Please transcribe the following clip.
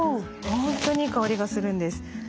本当にいい香りがするんです。